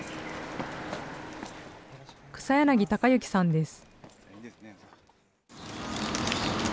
草柳孝幸さんです。